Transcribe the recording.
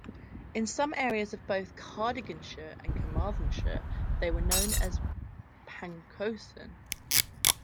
In some areas of both Cardiganshire and Carmarthenshire they were known as "pancosen".